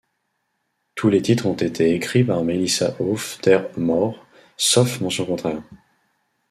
Tous les titres ont été écrits par Melissa Auf der Maur, sauf mention contraire.